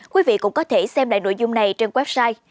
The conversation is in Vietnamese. quý vị cũng có thể xem lại nội dung này trên website